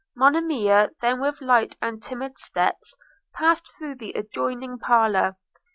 Monimia then with light and timid steps passed through the adjoining parlour.